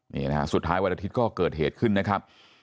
นี่นะฮะสุดท้ายวันอาทิตย์ก็เกิดเหตุขึ้นนะครับ